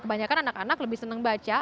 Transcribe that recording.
kebanyakan anak anak lebih senang baca